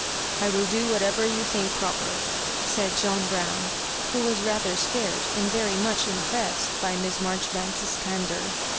"I will do whatever you think proper,'* said John Brown, who was rather scared, and veiy much impressed by Miss Marjoribanks's candour.